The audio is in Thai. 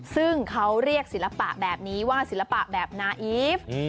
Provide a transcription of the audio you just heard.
ซึ่งเขาเรียกศิลปะแบบนี้ว่าศิลปะแบบนาอีฟ